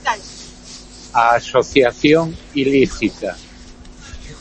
A asociación ilícita.